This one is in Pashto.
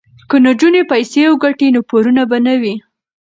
که نجونې پیسې وګټي نو پورونه به نه وي.